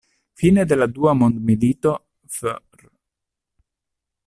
Fine de la Dua Mondmilito, Fr.